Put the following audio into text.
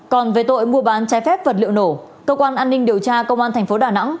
còn về tội mua bán trái phép vật liệu nổ cơ quan an ninh điều tra công an thành phố đà nẵng